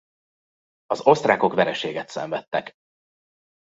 Az osztrákok vereséget szenvedtek.